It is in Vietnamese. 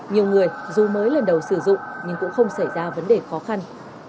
nhiều người dù mới lần đầu sử dụng nhưng cũng không xảy ra vấn đề khó khăn